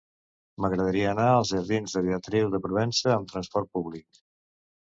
M'agradaria anar als jardins de Beatriu de Provença amb trasport públic.